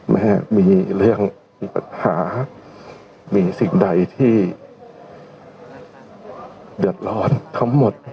แม่มีเรื่องมีปัญหามีสิ่งใดที่เดือดร้อนทั้งหมด